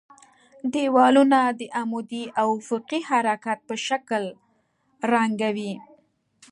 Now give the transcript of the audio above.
دېوالونه د عمودي او افقي حرکت په شکل رنګوي.